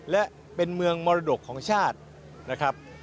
และเป็นเมืองมรดกของชาตินะครับ